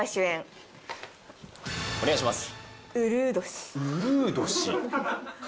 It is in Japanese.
お願いします。